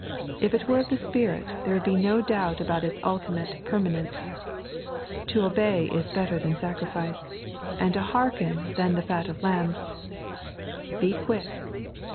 If it were of the Spirit, there would be no doubt about its ultimate per manence. To obey is better than sacrifice, and to hearken than the fat of lambs. Be quick.